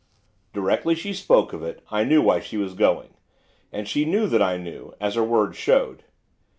Directly she spoke of it I knew why she was going, and she knew that I knew, as her words showed.